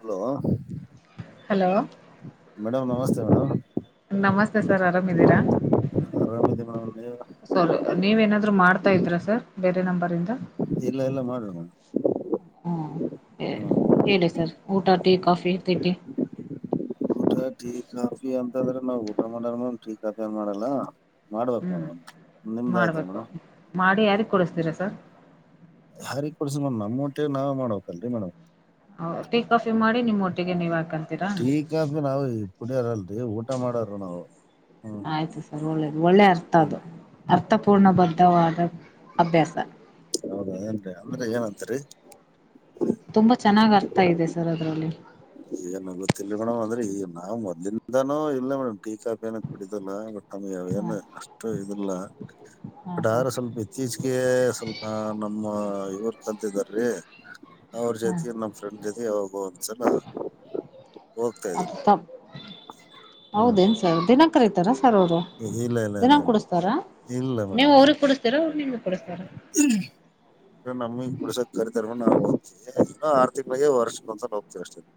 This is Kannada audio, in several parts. ಹಲೋ [inaudible] ಹಲೋ ಮೇಡಮ್ ನಮಸ್ತೆ ಮೇಡಮ್ ನಮಸ್ತೆ ಸರ್ ಆರಾಮಿದೀರಾ ಅರಾಮ ಇದ್ದಿವಿ ಮೇಡಮ್ ನೀವು ಸರಿ ನೀವ ಏನಾದ್ರು ಮಾಡ್ತಾ ಇದ್ರ ಸರ್ ಬೇರೆ ನಂಬರ್ ಇಂದ ಇಲ್ಲ ಇಲ್ಲ ಮಾಡ [inaudible] ಹ್ಞ ಓಕೆ ಹೇಳಿ ಸರ್ ಊಟ ಟೀ ಕಾಫಿ ತಿಂಡಿ ಟೀ ಕಾಫಿ ಅಂತಂದ್ರೆ ನಾವ್ ಊಟ ಮಾಡಾರ ಟೀ ಕಾಫಿ ಏನ ಮಾಡಲ್ಲ ಮಾಡ್ಬೇಕು ಹ್ಮ್ ನಿಮ್ದ ಆಯ್ತರಿ ಮಾಡ್ಬೇಕು ಮೇಡಮ್ ಮಾಡಿ ಯಾರಿಗೆ ಕೊಡಿಸತೀರಾ ಸರ್ ಹಾರಿಗೆ ಕೊಡ್ಸ ಮೇಡಮ್ ನಮ್ಮ ಹೊಟ್ಟೆ ನಾವ್ ಮಾಡ್ಬೇಕಲ್ರಿ ಮೇಡಮ್ ಹೌದ ಟೀ ಕಾಫಿ ಮಾಡಿ ನಿಮ್ಮ ಹೊಟ್ಟಿಗೆ ನೀವ್ ಹಾಕ್ಕೊಳ್ಳಿ ಟೀ ಕಾಫಿ ನಾವು ಕುಡಿಯಾರಲ್ರರಿ ಊಟ ಮಾಡರು ನಾವು [inaudible] ಹ್ಮ್ ಆಯ್ತು ಒಳ್ಳೇದು ಒಳ್ಳೆ ಅರ್ಥ ಹ್ಮ್ ಅದು ಅರ್ಥಪೂರ್ಣಬದ್ಧವಾದ ಅಭ್ಯಾಸ. ಹೌದಾ ಏನ್ರಿ ಅಂದ್ರ ಏನ್ ಅಂತರಿ ತುಂಬಾ ಚೆನ್ನಾಗಿ ಅರ್ಥ ಇದೆ ಸರ್ ಅದರಲ್ಲಿ ಏನ್ ಗೊತ್ತಿಲ್ಲ ಮೇಡಮ್ ಅಂದ್ರೆ ಈಗ ನಾ ಮೊದ್ಲಇಂದನು ಇಲ್ಲ ಮೇಡಮ್ ಟೀ ಕಾಫಿ ನ ಕುಡಿದಲ್ಲ ಬಟ್ ಆ ಹ ಏನು ಅಷ್ಟ ಇದ ಇಲ್ಲ [inaudible] ಹಾ ಬಟ್ ಸರ್ ಅದ್ರ ಸ್ವಲ್ಪ ಇತ್ತ ಇತ್ತೀಚಿಗೆ ಸ್ವಲ್ಪ ನಮ್ಮ ಇವರ್ ಕಲಿತಿದ್ದಾರಿ ಅವ್ರ ಹ ಜೊತೆ ನಮ್ಮ ಫ್ರೆಂಡ್ ಜೊತೆ ಯಾವಾಗೋ ಒಂದ್ಸಲ ಹೋಗ್ತಾ ಅದ ಇದ್ರಿ ತ [inaudible] ಹ್ಮ್ ಹೌದೇನ್ ಸರ್ ದಿನಾ ಕರಿತಾರ ಏನ್ ಸರ್ ಅವರು ಇಲ್ಲ ಇಲ್ಲ ದಿನ ಇಲ್ಲ ಮೇಡಮ್ ಕುಡಸ್ತಾರ ಇಲ್ಲ ನೀವು ಅವ್ರಿಗೆ ಕುಡಸ್ತೀರ ಅವ್ರ ನಿಮಗೆ ಕುಡಸ್ತಾರ ಹ್ಮ್ ನಮಗ್ ಕುಡಸಕ್ ಕರಿತರ್ ನಾವ ಹೋಗತಿವಿ ಆರತಿಂಗಳಿಗೆ ವರ್ಷಕ್ಕಒಂದಸಲ ಹೋಗ್ತೀವಿ ಅಷ್ಟದೆ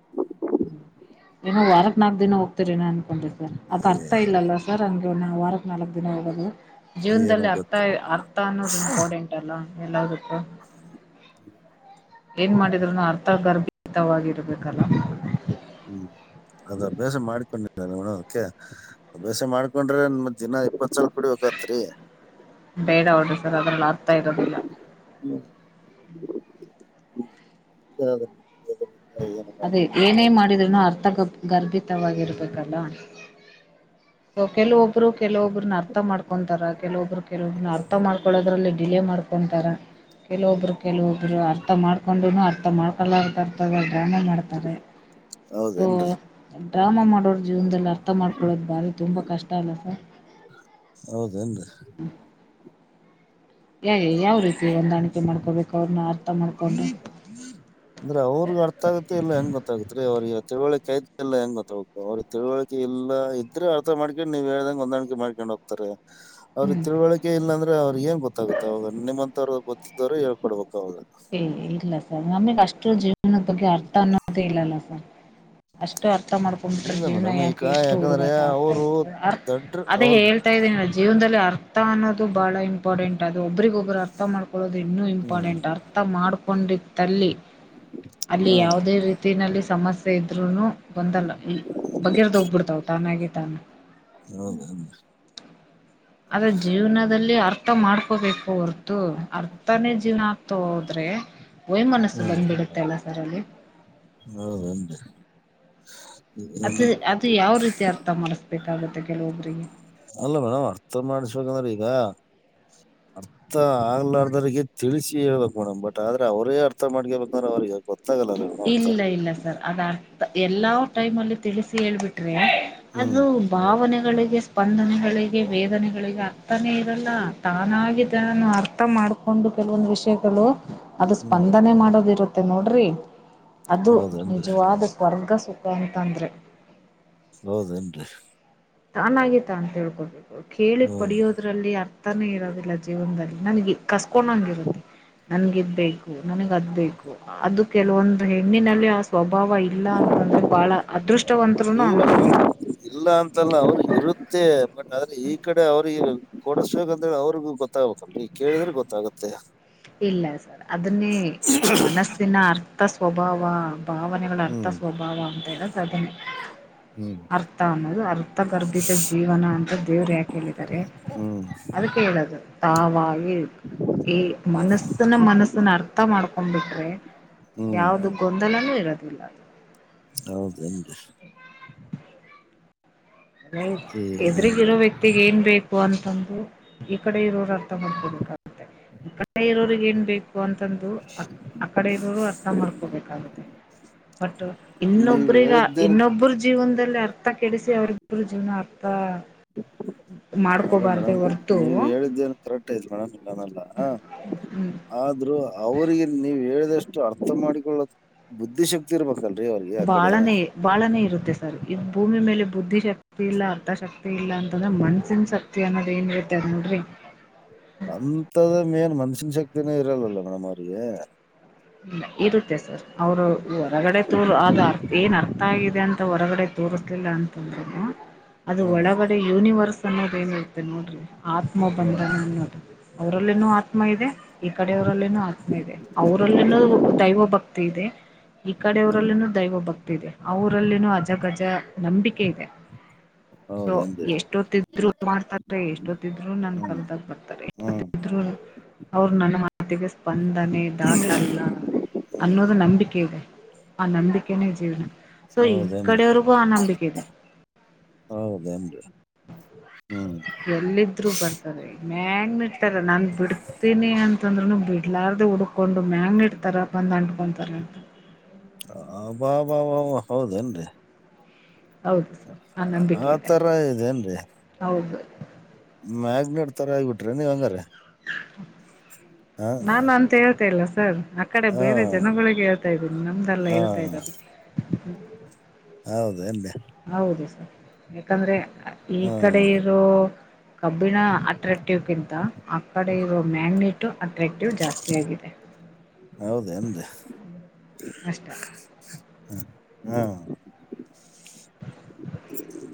[inaudible] ಏನೋ ವಾರಕ್ ನಾಕ್ ದಿನ ಹೋಗ್ತರೇನ ಅನ್ಕೊಂಡಿದ್ದೆ ಅದ ಏ ಅರ್ಥ ಇಲ್ಲಲ್ಲ ಸರ್ ಹಂಗೆ ಒಂದು ವಾರಕ್ಕೆ ನಾಲ್ಕು ದಿನ ಹೋಗೋದು. ಏನ ಜೀವನದಲ್ಲಿ ಅರ್ಥ ಗೊತ್ತಿಲ್ಲ ಮೇಡಮ್ ಅರ್ಥ ಅನ್ನೋದು ಇಂಪಾಟೆಂಟ್ ಹಾ ಎಲ್ಲ ಗೊತ್ತು ಏನ್ ಮಾಡಿದ್ರುನು ಅರ್ಥಗರ್ಭಿತವಾಗಿರ್ಬೇಕಲ್ಲ ಹ್ಮ್ ಅದು ಅಭ್ಯಾಸ ಮಾಡ್ಕೊಂಡಿಲ್ಲಲ್ಲ ನೋಡು ಅದಕ್ಕೆ ಅಭ್ಯಾಸ ಮಾಡ್ಕೊಂಡ್ರೆ ನಮ ದಿನ ಇಪ್ಪತ್ ಸಲ್ ಕುಡಿಬೇಕತ್ರಿ ಬೇಡ ಹೌಡ್ರಿ ಸರ್ ಅದ್ರಲ್ಲಿ ಅರ್ಥ ಇರೋದಿಲ್ಲ [inaudible] [unintelligible] ಏನ, ಅದೇ ಏನೇ ಮಾಡಿದ್ರೂನ ಅರ್ಥಗ ಗರ್ಭಿತವಾಗಿರ್ಬೇಕಲ್ಲ ಸೊ ಕೆಲವೊಬ್ರು ಕೆಲವೊಬ್ಬ್ರನ್ನ ಅರ್ಥ ಮಾಡ್ಕೊಂತಾರ ಕೆಲವೊಬ್ರು ಕೆಲವೊಬ್ನ್ನ ಅರ್ಥ ಮಾಡ್ಕೊದ್ರಲ್ಲಿ ಡಿಲೇ ಮಾಡ್ಕೊತಾರೆ ಕೆಲವೊಬ್ರು ಕೆಲವೊಬ್ರು ಅರ್ಥ ಮಾಡ್ಕೊಂಡು ಅರ್ಥ ಮಾಡ್ಕೊಲ ಅಂತಾರ ಡ್ರಾಮಾ ಮಾಡ್ತಾರೆ [inaudible] ಸೋ ಹೌದೇನ್ರಿ ಡ್ರಾಮಾ ಮಾಡೋರ್ ಜೀವನದಲ್ಲಿ ಅರ್ಥ ಮಾಡ್ಕೊಳ್ಳೋದು ಬಾರಿ ತುಂಬಾ ಕಷ್ಟ ಆಗುತ್ತೆ. ಹೌದನ್ರಿ ಯ ಯಾವ ರೀತಿ ಹೊಂದಾಣಿಕೆ ಮಾಡ್ಕೋಬೇಕು ಅವ್ರನ್ನ ಅರ್ಥ ಮಾಡ್ಕೊಂಡು ಅಂದ್ರೆ ಅವ್ರಿಗ ಅರ್ಥ ಆಗತ್ತೆ ಇಲ್ಲಾ ಹೆಂಗ್ ಗೊತ್ತಾಗತ್ ರೀ ಅವ್ರಿಗೆ ತಿಳವಳಿಕಿ ಆಯತ್ ಇಲ್ಲ ಹೆಂಗ ಗೊತ್ತಾಗುತ್ತ ಅವ್ರರಗಿ ತಿಳುವಳಿಕೆ ಇಲ್ಲಾ ಇದ್ರೆ ಅರ್ಥ ಮಾಡ್ಕೊಂಡ್ ನೀವ್ ಹೇಳ್ದಂಗ ಹೊಂದಾಣಿಕೆ ಮಾಡ್ಕೊಂಡ್ ಹೋಗ್ತಾರ ರಿ ಅವ್ರಗೆ ಹ್ಮ್ ತಿಳುವಳಿಕೆ ಇಲ್ಲಾಂದ್ರೆ ಅವ್ರಿಗೆ ಏನ್ ಗೊತ್ತಾಗುತ್ತೆ ಅವಾಗ ನಿಮ್ಮಂತ ಅವ್ರ ಗೊತ್ತ ಇದವರೆ ಹೇಳ್ಕೊಡ್ಬೇಕು ಅವರ ಏ ಇಲ್ಲ ಸರ್ ನಮಗ್ ಅಷ್ಟು ಜೀವನದ ಬಗ್ಗೆ ಅರ್ಥ ಅನ್ನೋದೇ ಇಲ್ಲಲ್ಲ ಸರ್ ಅಷ್ಟು ಅರ್ಥ ಮಾಡ್ಕೊಂಡ್ ಬಿಟ್ರೆ ಇಲ್ಲ ಜೀವನ ಮೇಡಮ್ ಈಗ ಯಾಕೆ ಇಷ್ಟು ಯಾಕಂದ್ರೆ ಹುಡುಗಾಟ ಆಗ್ತಾ ಅವರು ಇತ್ತು ದಡ್ರ ಅದೇ ಅವ್ರ ಹೇ ಇದನ ಜೀವನದಲ್ಲಿ ಅರ್ಥ ಅನ್ನೋದು ಬಹಳ ಇಂಪಾರ್ಟೆಂಟ್ ಅದು ಒಬ್ಬರಿಗ ಒಬ್ರು ಅರ್ಥ ಮಾಡ ಇನ್ನು ಹ್ಮ್ ಇಂಪಾರ್ಟೆಂಟ್ ಅರ್ಥ ಮಾಡ್ಕೊಂಡಿದಲ್ಲಿ ಅಲ್ಲಿ ಹಾ ಯಾವುದೇ ರೀತಿ ತ್ತಿನಲ್ಲಿ ಸಮಸ್ಯೆ ಇದ್ರುನು ಬಂದಲ್ಲ ಬಗೆ ಹರದ ಹೋಗ್ಬಿಡ್ತಾವ ತಾನಾಗಿ ತಾನ ಹೌದ ನರೀ ಆದ ಜೀವನದಲ್ಲಿ ಅರ್ಥ ಮಾಡ್ಕೋಬೇಕು ಹೊರತು ಅರ್ಥನೇ ಜೀವನ ಆಗ್ತಾ ಹೋದ್ರೆ ವೈಯ ಮನಸ್ಸು ಬಂದಬಿಡುತ್ತೆ ಅಲ್ಲ ಸರ್ ಅಲ್ಲಿ ಹೌದನರೀ ಅದು ಅದು ಯಾವ ರೀತಿ ಅರ್ಥ ಮಾಡಿಸ್ಬೇಕಾಗುತ್ತೆ ಕೆಲವೊಬ್ಬರಿಗೆ ಅಲ್ಲ ಮೇಡಮ್ ಅರ್ಥ ಮಾಡಿಸ್ಬೇಕಂದ್ರೆ ಈಗ ಅಥ ಅರ್ಥ ಆಗ್ಲಾರ್ದ್ರರಿಗೆ ತಿಳಿಸಿ ಹೇಳ್ಬೇಕು ಮೇಡಮ್ ಬಟ್ ಆದ್ರೆ ಅವರೇ ಅರ್ಥ ಮಾಡ್ಕೇಬೇಕಂದ್ರೆ ಅವ್ರಿಗೆ ಹ ಇಲ್ಲ ಇಲ್ಲ ಸರ್ ಅದ ಅರ್ಥ ಎಲ್ಲಾ ಟೈಮ್ ಅಲ್ಲಿ ತಿಳಿಸಿ ಹೇಳ್ ಬಿಟ್ರೆ ಅದು ಹ್ಮ್ ಭಾವನೆಗಳಿಗೆ ಸ್ಪಂದನೆಗಳಿಗೆ ವೇದನೆಗಳಿಗೆ ಅರ್ಥನೇ ಇರಲ್ಲಾ ತಾನಾಗಿದ್ದಾನು ಅರ್ಥ ಮಾಡಕೊಂಡು ಕೆಲವೊಂದು ವಿಷಯಗಳು ಅದು ಹ್ಮ್ ಸ್ಪಂದನೆ ಮಾಡೋದ ಇರುತ್ತೆ ಮತ್ತೆ ನೋಡ್ರಿ ಅದು ಹೌದೇನ್ರಿ ನಿಜವಾದ ಸ್ವರ್ಗ ಸುಖ ಅಂತಂದ್ರೆ ಹೌದೇನ್ರಿ ತಾನಾಗಿತ್ತ ತಾ ತೀಳ್ಕೊಬೇಕು ಕೇಳಿ ಹ್ಮ್ ಪಡಿಯೋದ ಇದರಲ್ಲಿ ಅರ್ಥನೇ ಇರೋದಿಲ್ಲ ಜೀವನದಲ್ಲಿ ನನಗೆ ಕಸ್ಕೊಂಡಂಗ ಇರತ್ತೆ ನನ್ಗ ಇದ್ ಬೇಕು ನನಗ ಅದ ಬೇಕು ಅದು ಕೆಲವೊಂದು ಹೆಣ್ಣಿನಲ್ಲಿ ಆ ಸ್ವಭಾವ ಇಲ್ಲಾ ಅಂತಂದ್ರೆ ಬಹಳ ಅದೃಷ್ಟವಂತರುನು ಅನ್ಕೋಬೇಕು ಇಲ್ಲಾ ಅಂತಲ್ಲಾ ಅವ್ರ ಇರುತ್ತೆ ಬಟ್ ಆದ್ರೆ ಈ ಕಡೆ ಅವ್ರಿಗೆ ಕೊಡಸ ಬೇಕಂತೇಳಿ ಅವ್ರಿಗು ಗೊತ್ತಾಗಬೇಕಲ್ರಿ ಈ ಕೇಳಿದ್ರೆ ಗೊತ್ತಾಗುತ್ತೆ ಇಲ್ಲ ಸರ್ ಅದನ್ನೇ ಮನಸ್ಸಿನ ಅರ್ಥ ಸ್ವಭಾವ ಭಾವನೆಗಳ ಅರ್ಥ ಹ್ಮ್ ಸ್ವಭಾವ ಅಂತ ಹೇಳದು ಅದೇ ಹ್ಮ್ ಅರ್ಥ ಅನ್ನೋದು ಅರ್ಥಗರ್ಭಿತ ಜೀವನ ಅಂತ ದೇವ್ರು ಯಾಕೆ ಹೇಳಿದ್ದಾರೆ ಹ್ಮ್ ಅದಕೆ ಹೇಳೋದು ತಾವ ಆಗಿ ಈ ಮನಸ್ಸನ ಮನಸ್ಸನ ಅರ್ಥ ಮಾಡ್ಕೊಂಡ್ ಬಿಟ್ರೆ ಹ್ಮ್ ಯಾವ್ದ ಗೊಂದಲನು ಇರೋದಿಲ್ಲಾ ಹೌದೇನ್ರಿ ಏನಂದ ಎದ್ರಗಿರೋ ವ್ಯಕ್ತಿ ಗ ಏನ್ ಬೇಕು ಅಂತಂದು ಈ ಕಡೆ ಇರೋರು ಅರ್ಥ ಮಾಡ್ಕೊಬೇಕಾಗುತ್ತೆ ಆ ಕಡೆ ಇರೋಗಿ ಏನ್ ಬೇಕು ಅಂತಂದು ಆ ಕಡೆ ಇರೋರು ಅರ್ಥ ಮಾಡ್ಕೋಬೇಕಾಗುತ್ತೆ ಬಟ್ ನೀವ್ ಇನ್ನೊಬ್ಬ್ರಗ ಹೇಳಿದ್ದೇನ್ ಇನ್ನೊಬ್ಬರ [unintelligible] ಜೀವನದಲ್ಲಿ ಅರ್ಥ ಕೆಡಿಸಿ ಅವ್ರ ಇಬ್ಬರು ಜೀವನ ಅರ್ಥಾ ಅಲ್ಲ ಮೇಡಮ್ ನೀವ ಹೇಳಿದ್ದೇ ಕರೆಕ್ಟ್ ಆಯ್ತ್ ಮೇಡಮ್ ಇಲ್ಲಾನಲ್ಲ ಹ ಹುಂ ಆದ್ರೂ ಅವರಿಗೆ ನೀವು ಹೇಳಿದಷ್ಟು ಅರ್ಥ ಮಾಡಿಕೊಳ್ಳ ಬುದ್ಧಿಶಕ್ತಿ ಶಕ್ತಿ ಇರಬೇಕಲ್ರಿ ಅವ್ರಿಗೆ ಆ ಕಡೆ ಬಾಳನೇ ಬಾಳನೇ ಇರುತ್ತೆ ಸರ್ ಇದ್ ಭೂಮಿ ಮೇಲೆ ಬುದ್ಧಿ ಶಕ್ತಿ ಇಲ್ಲ ಅರ್ಥಶಕ್ತಿ. ತಿ ಇಲ್ಲ ಅಂತಂದ್ರೆ ಮನ್ಸನ ಶಕ್ತಿ ಅನ್ನೋದ ಏನಿರುತ್ತೆ ಅದ ನೋಡ್ರಿ. ಅಂತದ ಏನ್ ಮನಶ್ಯನ್ ಶಕ್ತಿನೇ ಇರಲ್ವಲ್ಲ ಮೇಡಮ್ ಅವ್ರಿಗೆ. ಇ ಇರುತ್ತೆ ಸರ್ ಅವ್ರು ಹೊರಗಡೆ ತೂರು ಆದ ಅರ್ಥ ಏನ್ ಅರ್ಥ ಆಗಿದೆ ಅಂತ ಹೊರಗಡೆ. ತೂರಿಸಲಿಲ್ಲ ಅಂತಂದ್ರು. ಅದು ಹ್ಮ್ ಒಳಗಡೆ ಯೂನಿವರ್ಸ್ ಅನ್ನೋದ ಏನಿರುತ್ತೆ ನೋಡ್ರಿ ಆತ್ಮ ಹ್ಮ್ ಬಂಧನ ಅನ್ನೋದು. ಅವ್ರಲ್ಲಿನು ಆತ್ಮ ಇದೆ ಈ ಕಡೆಯವರಲ್ಲಿನೂ ಆತ್ಮ ಇದೆ ಅವ್ರು. ರಲ್ಲಿನೂ ದೈವ ಭಕ್ತಿ ಇದೆ. ಈ ಹ್ಮ್ ಕಡೆಯವರಲ್ಲಿನೂ ದೈವ ಭಕ್ತಿ ಇದೆ ಅವುರಲ್ಲಿನೂ ಅಜಗಜ ನಂಬಿಕೆ ಇದೆ. [inaudible] ಸೊ ಹೌದೇನ್ರಿ ಎಷ್ಟೊತ್ತಿದ್ರು ಮಾಡ್ತಾರೆ ಎಷ್ಟೊತ್ತಿದ್ರು ನನ್ ಹ್ಮ್ ಕಲದಾಗ ಬರ್ತಾರೆ ಹ್ಮ್ ಎಷ್ಟೊತ್ತಿದ್ರು. ಅವ್ರು ನನ್ ಮಾತಿಗೆ ಸ್ಪಂದನೆ ದಾ ಟಲ್ಲ ಹ್ಮ್ ಅನ್ನೋದು ನಂಬಿಕೆ ಇದೆ ಆ ನಂಬಿಕೆನೇ ಜೀವ್ನ. ಸೊ ಈ ಹೌದೇನ್ರಿ ಕಡೆಯವ್ರಗೂ ಆ ನಂಬಿಕೆ ಇದೆ. ಹೌದೆನ್ರಿ ಹ್ಮ್ ಎಲ್ಲಿದ್ರು ಬರ್ತಾರೆ ಮ್ಯಾಗ್ನೆಟ್ ತರ ನಾನ್ ಬಿಡ್ತೀನಿ ಅಂ ತಂದ್ರನು ಬಿಡ್ಲಾರ್ದು ಹುಡ್ಕೊಂಡು ಮ್ಯಾಂಗ ಇಡ್ತಾರ ಬಂದ ಅಂಟ್ಕೊಂತಾರಂತ. ಅಬಬಾಬ ಹೌದೇನ್ರಿ. ಹೌದು ಸರ್ ಆ ನಂಬಿಕೆ ಇದೆ ತರ ಇದೇನ್ರಿ ಹೌದು. ಮ್ಯಾಗ್ನೆಟ್ ತರ ಆಗ್ಬಿಟ್ರಿ ನೀವ ಹಂಗಾರ. ಹಾ ನಾನು ಅಂತ ಹೇಳ್ತಾ ಇಲ್ಲ ಸರ್. ಈ ಕಡೆ ಹಾ ಬೇರೆ ಜನಗಳಿಗೆ ಹೇಳ್ತಾ ಇದಿನಿ ನಮ್ದಲ್ಲ ಹಾ ಹೇಳ್ತಾ ಇದ್ದಾರೆ. ಹೌದ ಎಂದೆ. ಹೌದು ಸರ್ ಯಕಂದ್ರೆ ಈ ಕಡೆ ಹ್ಮ್ ಇರೋ. ಕಬ್ಬಿಣ ಅಟ್ರಾಕ್ಟಿವಕಿಂತ ಆ ಕಡೆ ಇರೋ ಮ್ಯಾಗ್ನೇಟ ಅಟ್ರಾಕ್ಟಿವ್ ಜಾಸ್ತಿಯಾಗಿದೆ. ಹೌದ ಎಂದೆ. ಅಷ್ಟ ಹ್ಮ ಹ್ಮ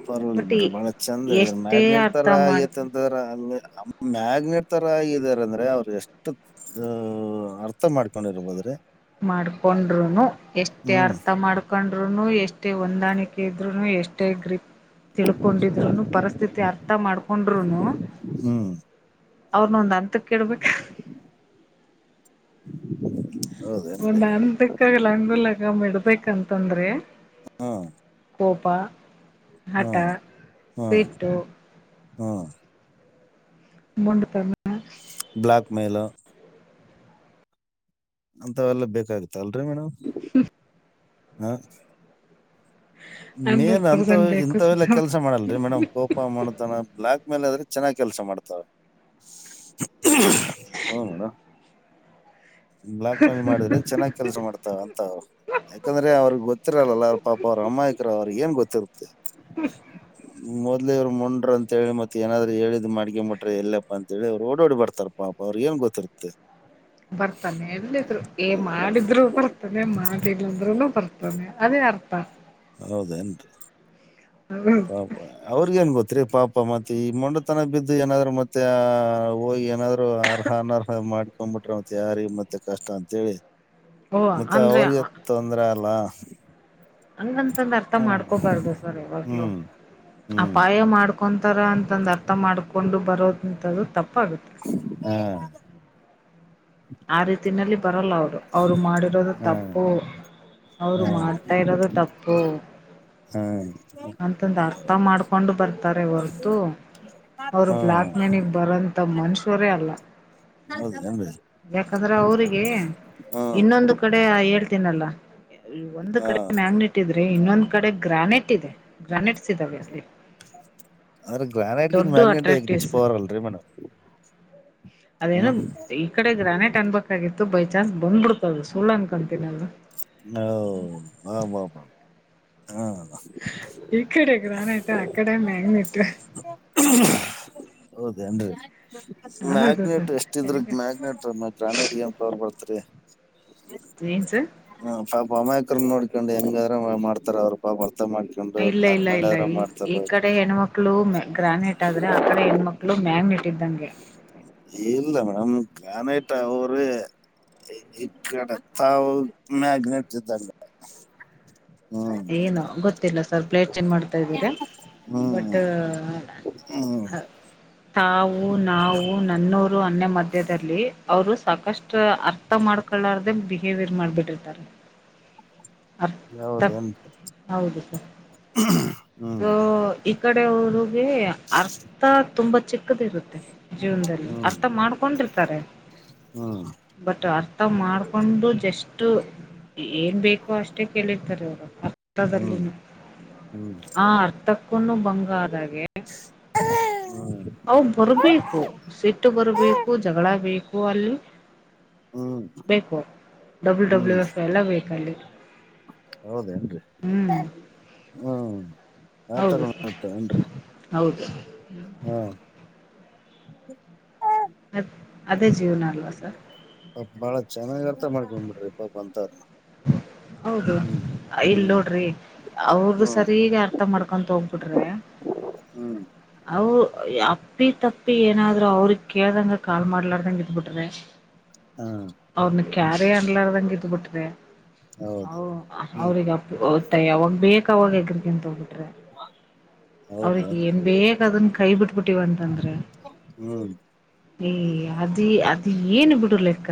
ಪರ್ವಲ್ ಬಟ್ ಈ ಬಿಡ್ರಿ ಬಾಳ ಚಂದ ಹೇಳಿದ್ರ ಎಷ್ಟೇ ಮ್ಯಾಗ್ನೆಟ್ ಅರ್ಥ ತರ ಮಾಡ್ಕ ಐತ ತರ ಅಲ್ಲೆ ಮ್ಯಾಗ್ನೆೇಟ್ ತರ ಆಗಿದರ ಅಂದ್ರೆ ಅವ್ರು ಎಷ್ಟು. ದ ಅರ್ಥ ಮಾಡ್ಕೊಂಡಿರ್ಬೋದ್ರಿ. ಮಾಡ್ಕೊಂಡ್ರುನು ಎಷ್ಟೇ ಹ್ಮ್ ಅರ್ಥ ಮಾಡಕ ಕಂಡ್ರುನು ಎಷ್ಟೇ ಹೊಂದಾಣಿಕೆ ಇದ್ರುನು ಎಷ್ಟೇ ಗ್ರಿಪ್. ತಿಳ್ಕೊಂಡಿದ್ರುನು ಪರಿಸ್ಥಿತಿ ಅರ್ಥ ಮಾಡ್ಕೊಂಡ್ರುನು. ಹ್ಮ್ ಅವ್ರನೊಂದ್ ಹಂತಕ್ ಇಡ್ಬೇಕ್. [inaudible] ಒಂದ [unintelligible] [unintelligible] ಲಂಗೂಲಗಾಮ್ ಇರ್ಬೆಕಂತಂದ್ರೆ ಕೋಪ. ಹಾ ಹಠ ಹಾ ಸಿಟ್ಟು ಹಾ. ಮಂಡತನ. ಬ್ಲಾಕ್ ಮೇಲ. ಹಂತವೆಲ್ಲ ಬೇಕಾಗತ್ತಲ್ರಿ ಮೇಡಮ್. ಹ್ಞೂ ಹ. ಹಂಡ್ರೆಡ್ ಮೇನ್ ಹಂತ ಪರ್ಸೆಂಟ್ ಬೇಕು ಹಿಂತವೆಲ್ಲ ಸರ್ ಕೆಲ್ಸ ಮಾಡಲ್ರಿ ಮೇಡಮ್. ಕೋಪ ಮಾಡ್ತಾನ ಬ್ಲಾಕ್ ಮೇಲ್ ಆದ್ರೆ ಚೆನ್ನಾಗ್ ಕೆಲ್ಸ ಮಾಡ್ತಾರ. ಹ್ ನೋಡ ಬ್ಲಾಕ್ ಮೇಲ್ ಮಾಡಿದ್ರೆ ಚೆನ್ನಾಗಿ ಕೆಲಸ ಮಾಡ್ತಾ ಅಂತ ಅವ್ ಯಾಕಂದ್ರೆ ಅವ್ರಿಗಗ್ ಗೊತ್ತಿರಲ್ಲ ಪಾಪ ಅವ್ರ ಅಮಾ ಕುರು ಅವ್ರಿಗಿ ಏನ್ ಗೊತ್ತಿರುತ್ತ. [inaudible] ಮೊದ್ಲೇ ಅವ್ರು ಮೊಂಡ್ರ ಅಂತ ಹೇಳಿ ಮತ್ತ ಏನಾದ್ರು ಹೇಳಿದ್ ಮಾಡಿಕೆಂಬುಟ್ರ ಎಲ್ಲೆಪ್ಪಾ ಅಂತ ಹೇಳಿ ಅವ್ರು ಓಡೋಡಿ ಬರ್ತಾರ ಪಾಪ. ಅವ್ರಗಿ ಏನ್ ಗೊತ್ತಿರುತ್ತ. ಬರ್ತಾನೆ ಎಲ್ಲಿದ್ರು ಏ ಮಾಡಿದ್ರು ಬರ್ತಾನೆ ಮಾಡಿಲ್ಲಂದ್ರರುನು ಬರ್ತಾನೆ ಅದೇ ಅರ್ಥ. ಹೌದೇನ್ರಿ. ಹ್ಮ. ಪಾಪಾ. ಅವ್ರಗ ಏನ್ ಗೊತ್ರಿ ಪಾಪ ಮತ್ತೆ ಈ ಮೊಂಡುತನಕ ಬಿದ್ದು ಏನಾದ್ರು ಮತ್ತೆ ಹೋಗಿ ಏನಾದ್ರು ಅರ್ಹನ ಅ ಮಾಡ್ಕೊಂಬಿಟ್ರ ಅವ್ ಮತ್ಯಾರಿಗಿ ಮತ್ತೆ ಕಷ್ಟ ಅಂತೇಳಿ. ಓ ಮತ್ತೆ ಅಂದ್ರೆ ಅವ್ರಿಗೆ ತೊಂದ್ರೆ ಅಲ್ಲ. ಹಂಗಂತಂದ ಅರ್ಥ ಹ್ಮ್ ಮಾಡ್ಕೋಬಾರ್ದು ಸರ್ ಯಾವಾಗ್ಲು. ಹ್ಮ್ ಹ್ಮ್ ಅಪಾಯ ಮಾಡ್ಕೊತಾರ ಅಂತಂದು ಅರ್ಥ ಮಾಡ್ಕೊಂಡು ಬರೋದಂತದ ತಪ್ಪಾಗುತ್ತೆ. ಹಾ ಆ ರೀತಿನಲ್ಲಿ ಬರಲ್ಲ ಅವರು. ಅವ್ರು ಮಾಡಿರೋದು ಹಾ ತಪ್ಪು ಅವ್ರು ಹಾ ಮಾಡ್ತಾ ಇರೋದು ತಪ್ಪು. ಹ್ಮ್ ಅಂತಂದು ಅರ್ಥ ಮಾಡ್ಕೊಂಡು ಬರ್ತಾರೆ ಹೊರತು ಅವರು ಹಾ ಬ್ಲ್ಯಾಕ್ ಮೆನಿಗೆ ಬರಂತ ಮನುಷ್ಯವರೇ ಅಲ್ಲ. ಹೌದೇನ್ರಿ. ಯಾಕಂದ್ರೆ ಅವ್ರಿಗೆ ಹ್ಮ್ ಇನ್ನೊಂದು ಕಡೆ ಹೇಳ್ತೀನಲ್ಲ. ಒಂದು ಹಾ ಕಡೆ ಮ್ಯಾಗ್ನೆಟ್ ಇದ್ರೆ ಇನ್ನೊಂದ್ ಕಡೆ ಗ್ರಾನೆಟ್ ಇದೆ ಗ್ರಾನೆಟ್ಸ್ ಇದ್ದಾವೆ ಅಲ್ಲಿ. ಆದ್ರ ಗ್ರಾನೈಟ್ಗಿಂತ್ ದೊಡ್ಡ ಮ್ಯಾಗ್ನೇಟೇ ಹೆಚ್ಚ ಅಟ್ರಾಕ್ಟಿವ್ಸ್ ಪವರ್ ಅಲ್ರಿ ಮೇಡಂ. ಅದೇನು ಈ ಕಡೆ ಗ್ರಾನೇಟ್ ಅನ್ಬೇಕಾಗಿತ್ತು ಬೈ ಚಾನ್ಸ್ ಬಂದ್ಬಿಡ್ತದ ಸುಳ್ಳು ಅನ್ಕೊತೀನ ಅದು. ಹ ಹೌ ಬಾ ಬಾ ಬ ಹಾ ಈ ಕಡೆ ಗ್ರಾನೈಟು ಆಕಡೆ ಮ್ಯಾಗ್ನೇಟು. ಹೌದೆನ್ರಿ ಹೌದು ಸರ್ ಮ್ಯಾಗ್ನೆೇಟ್ ಎಷ್ಟ ಇದ್ರ ಮ್ಯಾಗ್ನೆೇಟ್ ಮ್ಯ ಬ್ರ್ಯಾಂಡೆಡ್ ಏನ್ ಪವರ್ ಬರ್ತರಿ. ಏನ್ಸರ್ ಹ್ಮ ಪಾಪ ಅಮಾಯಕ್ರನ್ ನೋಡ್ಕೊಂಡು ಹೆಂಗಾರ ಮಾಡ್ತಾರ ಅವ್ರರು ಪಾಪ ಅರ್ಥ ಮಾಡ್ ಇಲ್ಲ ಇಲ್ಲ ಇಲ್ಲ ಈ ಈ ಕಡೆ ಹೆಣ್ಮಕ್ಳು ಮೆ ಗ್ರಾನೇಟ್ ಆದ್ರೆ ಆ ಕಡೆ ಹೆಣ ಮಕ್ಳು ಲು ಮ್ಯಾಗ್ನೆಟ್ ಇದ್ದಂಗೆ. ಇಲ್ಲ ಮೇಡಮ್ ಗ್ರಾನೈಟ್ ಅವರೇ. ಈ ಕಡೆ ತಾವು ಮ್ಯಾಗ್ನೇಟ್ ಇದ್ದಂಗ. ಹ್ಮ್ ಏನು ಗೊತ್ತಿಲ್ಲ ಸರ್ ಪ್ಲೇಟ್ ಚೇಂಜ್ ಮಾಡ್ತಾ ಇದ್ದೀರಿ ಬಟ್ ಹ್ಮ್ ಹ್ಮ್ ಹ ಅ ತಾವು ನಾವು ನನ್ನೋರು ಅನ್ನೊ ಮಧ್ಯದಲ್ಲಿ ಅವರು ಸಾಕಷ್ಟು ಅರ್ಥ ಮಾಡ್ಕೊಳ್ಳಾರ್ದೆ ಬಿಹೇವಿಯರ್ ಮಾಡ್ಬಿಟ್ಟಿರ್ತಾರೆ. ಅರ್ ತಕ್ ಹೌದೇನ್ರಿ ಹೌದು ಸರ್ ಸೊ ಹ್ಮ್ ಈ ಕಡೆ ಅವ್ರರಿಗೆ ಅರ್ಥ ತುಂಬಾ ಚಿಕ್ಕದ ಇರುತ್ತೆ. ಜೀವನ್ದಲ್ಲಿ ಅರ್ಥ ಮಾಡ್ಕೊಂಡಿರ್ತಾರೆ. ಹ್ಮ ಬಟ್ ಅರ್ಥ ಮಾಡ್ಕೊಂಡು ಜಸ್ಟ್ ಏನ್ ಬೇಕು ಅಷ್ಟೇ ಕೇಳಿರ್ತಾರೆ ಅವರು ಅರ್ಥದಲ್ಲಿ ಹ್ಮ್ ಹ್ಮ್ ಹ್ಮ್ ಆ ಅರ್ಥ ಕಣ್ಣು ಬಂಗ ಅದ ಆಗೇ ಹ್ಮ [unintelligible] ಅವು ಬರ್ಬೇಕು ಸಿಟ್ಟು ಬರ್ಬೇಕು ಜಗಳ ಬೇಕು ಅಲ್ಲಿ ಹ್ಮ್ ಬೇಕು ಡಬ್ಲ್ಯೂ ಡಬ್ಲ್ಯೂ ಹ್ಮ್ ಎಫ್ ಎಲ್ಲ ಬೇಕಲ್ಲಿ ಹೌದೇ ಏನ್ರಿ ಹ್ಮ್ ಹ್ಮ್ ಆತರ ಹೌದು ಸರ್ ಇರ್ತಾರ ಏನ್ರಿ ಹೌದು ಹ್ಮ್ ಅ ಅದೇ ಜೀವನ ಅಲ್ವಾ ಸರ್ ಅ ಬಾಳ ಚೆನ್ನಾಗಿ ಅರ್ಥ ಮಾಡ್ಕೊಂಡ್ ಬಿಡ್ರಿ ಪಾಪ ಅಂತರ್ನ ಹೌದು ಇಲ್ ನೋಡ್ರಿ ಅವ್ರ ಹ್ಮ್ ಸರಿಗ ಅರ್ಥ ಮಾಡ್ಕೊತಾ ಹೋಗ್ಬಿಟ್ರಿ ಹ್ಮ್ ಅವ ಅಪ್ಪಿ ತಪ್ಪಿ ಏನಾದ್ರು ಅವ್ರ ಕೇಳ್ದಂಗ ಕಾಲ್ ಮಾಡ್ಲಾರ್ದಂಗ ಇದ್ಬಿಟ್ರೆ ಹಾ ಅವ್ರನ ಕ್ಯಾರಿ ಅನ್ಲಾರದಂಗ ಇದ್ ಬಿಟ್ರೆ ಹೌದು ಹ್ಮ್ ಅವ್ರಗಪ್ಪ ಓದ್ತಾ ಅವಾವಾಗ ಬೇಕಾವಾಗ ಹೆಗ್ರಗಂತ ಹೋಗ್ಬಿಟ್ರೆ ಹೌದು ಅವ್ರಿಗೆ ಹೌದು ಏನ್ ಬೇ ಅದನ್ನ ಕೈ ಬಿಟ್ಬಿಟ್ಟಿವಂತಂದ್ರೆ ಹ್ಮ್ ಏ ಅದೇ ಅದ ಏನ್ ಬಿಡು ಲೆಕ್ಕ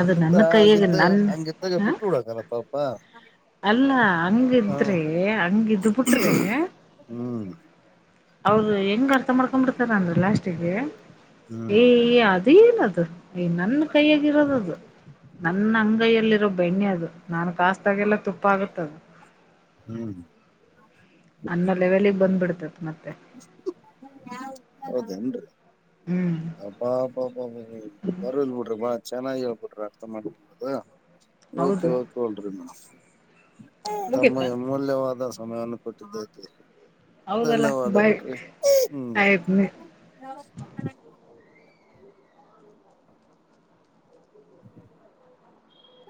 ಅದು ನನ್ನ ಮತ್ತೆ ಕೈಯಾಗ ಹಂಗ ನನ್ ಹಂಗಿದ್ದಾಗ ಹ ಬಿಟ್ಟು ಬಿಡಬೇಕಲ್ಲ ಪಾಪ ಅಲ್ಲ ಹ ಹಂಗಿದ್ರೆ ಹಂಗಿದ್ ಬಿಟ್ರೇ ಹ್ಮ್ ಅವರು ಹೆಂಗ್ ಅರ್ಥ ಮಾಡ್ಕೊಂಡ್ ಬಿಡ್ತಾರ ಅಂದ್ರ ಲಾಸ್ಟಿಗೆ ಹ್ಮ್ ಏಯ ಅದು ಏನದು ಯ ನನ್ನ ಕೈಯಗ ಇರೋದ ಅದು ನನ್ನ ಅಂಗೈಯ್ಯಲ್ಲಿರೋ ಬೆಣ್ಣೆ ಅದು ನಾನು ಕಾಸ್ತಾಗೆಲ್ಲ ತುಪ್ಪ ಆಗುತ್ತೆ ಅದು ಹೂ ಅನ್ನ ಲೆವೆಲಿಗೆ ಬಂದ್ಬಿಡ್ತೈತೆ ಮತ್ತೆ [unintelligible] ಹೌದೇನ್ರೀ ಹ್ಮ್ ಅಬಾಬಾ ಪರ್ವಾಗಿಲ್ಲ ಬಿಡ್ರಿ ಬಾಳ ಚೆನ್ನಾಗಿ ಹೇಳಿ ಕೊಟ್ಟರ ಅರ್ಥ ಮಾಡದು ನಿಮ್ದು ಓಕೆ ಹೌದು ಓಕೆ ಹೇಳ್ರಿ ಮೇಡಂ ತಮ್ಮ ಮುಗಿತಾ [unintelligible] ಧನ್ಯವಾದ ಸಮಯವನ್ನು ಕೊಟ್ಟಿದ್ದಕ್ಕೆ. ಹೌದಲ್ಲ ಬೈ ಧನ್ಯವಾದಗಳು ರೀ ಹ್ಮ್ ಆಯ್ತ್ [unintelligible] [inaudible]